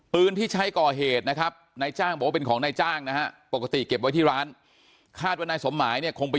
ปืนที่ใช้ก่อเหตุนะครับนายจ้างบอกว่าเป็นของนายจ้างนะฮะปกติเก็บไว้ที่ร้านคาดว่านายสมหมายเนี่ยคงไป